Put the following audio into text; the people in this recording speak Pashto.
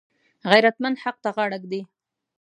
غیرتمند حق ته غاړه ږدي